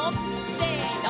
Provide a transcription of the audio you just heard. せの！